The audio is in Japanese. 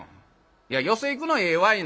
いや寄席行くのはええわいなあんた。